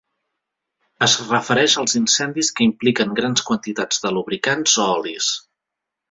Es refereix als incendis que impliquen grans quantitats de lubricants o olis.